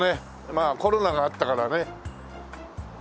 まあコロナがあったからね。